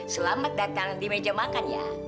selamat datang di meja makan ya